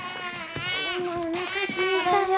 ママおなかすいたよ